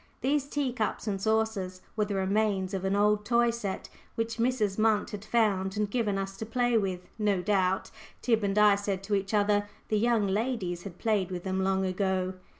These tea cups and saucers were the remains of an old toy set, which Mrs. Munt had found and given us to play with no doubt, Tib and I said to each other, the "young ladies" had played with them long ago!